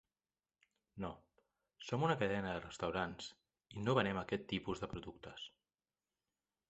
No, som una cadena de restaurants i no venem aquest tipus de productes.